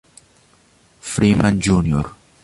Freeman, Jr.